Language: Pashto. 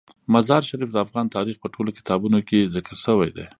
مزارشریف د افغان تاریخ په ټولو کتابونو کې ذکر شوی دی.